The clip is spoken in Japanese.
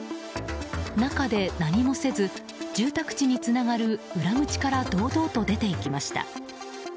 中で何もせず住宅地につながる裏口から堂々と出て行きました。